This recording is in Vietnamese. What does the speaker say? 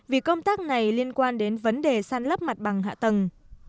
vì công tác này liên quan đến vấn đề san lấp mặt bằng hạ tầng